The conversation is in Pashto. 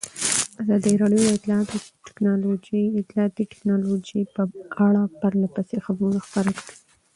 ازادي راډیو د اطلاعاتی تکنالوژي په اړه پرله پسې خبرونه خپاره کړي.